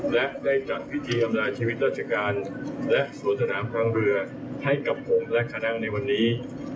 และได้จัดพิธีอำลาชีวิตราชการและสวนสนามทางเรือให้กับผมและคณะในวันนี้